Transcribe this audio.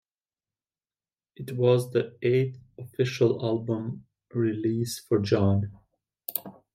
It was the eighth official album release for John.